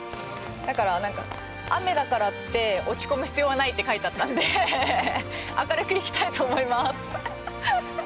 だから、なんか雨だからって落ち込む必要はないって書いてあったんで明るく行きたいと思います。